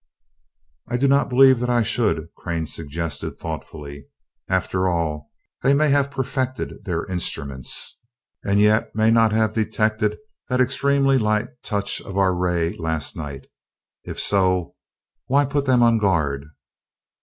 "I do not believe that I should," Crane suggested, thoughtfully. "After all, they may have perfected their instruments, and yet may not have detected that extremely light touch of our ray last night. If so, why put them on guard?"